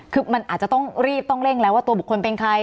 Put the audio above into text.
คือมันอาจจะต้องรีบต้องเร่งแล้วว่าตัวบุคคลเป็นใคร